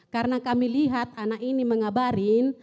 karena kami lihat anak ini mengabarin